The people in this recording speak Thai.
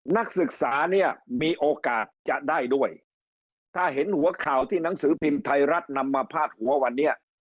นักศึกษาเนี่ยมีโอกาสจะได้ด้วยถ้าเห็นหัวข่าวที่หนังสือพิมพ์ไทยรัฐนำมาพาดหัววันนี้